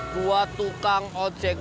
dua tukang ojek